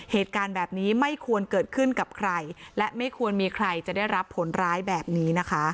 เหตุการณ์แบบนี้ไม่ควรเกิดขึ้นกับใครและไม่ควรมีใครจะได้รับผลร้ายแบบนี้นะคะ